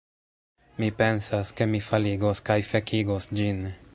Mi pensas, ke mi faligos kaj fekigos ĝin